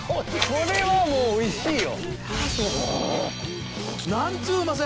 これはもうおいしいよ！